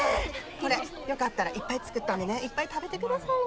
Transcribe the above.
これよかったらいっぱい作ったんでねいっぱい食べてくださいな。